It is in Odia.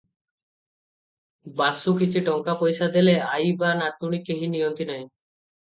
ବାସୁ କିଛି ଟଙ୍କା ପଇସା ଦେଲେ ଆଈ ବା ନାତୁଣୀ କେହି ନିଅନ୍ତି ନାହିଁ ।